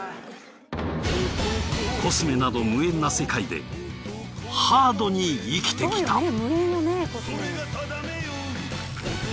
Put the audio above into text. コスメなど無縁な世界でハードに生きてきた。